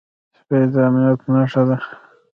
سپي د امنيت نښه ده.